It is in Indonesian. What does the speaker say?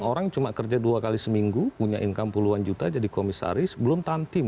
orang cuma kerja dua kali seminggu punya income puluhan juta jadi komisaris belum tantim